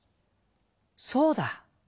「そうだ。